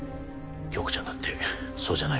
響子ちゃんだってそうじゃないのか？